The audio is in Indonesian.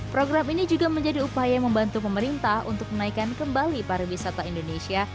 program ini juga menjadi upaya membantu pemerintah untuk menaikkan kembali pariwisata indonesia